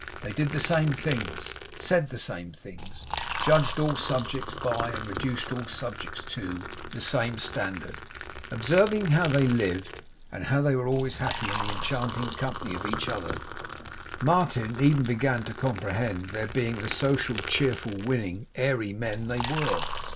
They did the same things; said the same things; judged all subjects by, and reduced all subjects to, the same standard. Observing how they lived, and how they were always in the enchanting company of each other, Martin even began to comprehend their being the social, cheerful, winning, airy men they were.